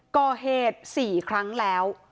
ก่อเหตุ๔ครั้งแล้ว